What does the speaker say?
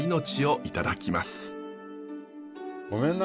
ごめんな。